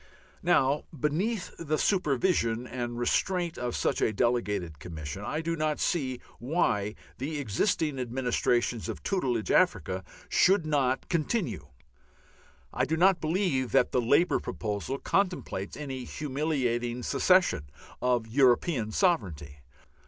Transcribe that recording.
Now beneath the supervision and restraint of such a delegated Commission I do not see why the existing administrations of tutelage Africa should not continue. I do not believe that the Labour proposal contemplates any humiliating cession of European sovereignty.